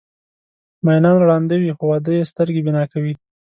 مینان ړانده وي خو واده یې سترګې بینا کوي.